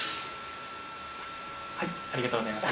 ありがとうございます。